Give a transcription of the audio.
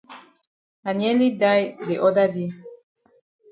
I nearly die de oda day.